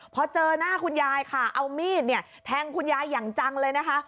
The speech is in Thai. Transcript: พอเจอหน้าคุณยายค่ะเอามีดเนี่ยแทงคุณยายอย่างจังเลยนะคะ